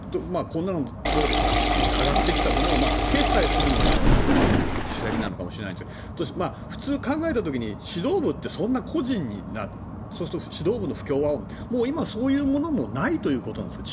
こんなのどうですかとあがってきたものを決裁するのが首席なのかもしれないんですが普通、考えた時に指導部って、そんな個人にそうすると指導部の不協和音今、そういうものもないということですか。